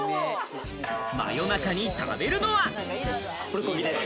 真夜中に食べるのは。